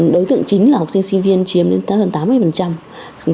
đối tượng chính là học sinh sinh viên chiếm lên hơn tám mươi